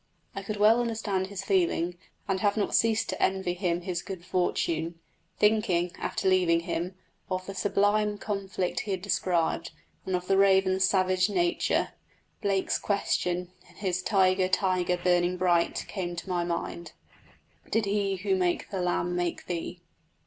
I could well understand his feeling, and have not ceased to envy him his good fortune. Thinking, after leaving him, of the sublime conflict he had described, and of the raven's savage nature, Blake's question in his "Tiger, tiger, burning bright" came to my mind: Did He who made the lamb make thee?